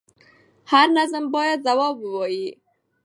هر نظام باید ځواب ووایي